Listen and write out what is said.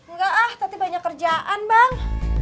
enggak ah tapi banyak kerjaan bang